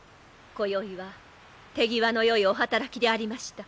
こよいは手際のよいお働きでありました。